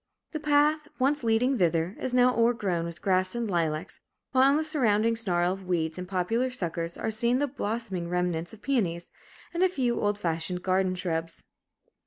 The path, once leading thither, is now o'ergrown with grass and lilacs, while in the surrounding snarl of weeds and poplar suckers are seen the blossoming remnants of peonies, and a few old fashioned garden shrubs.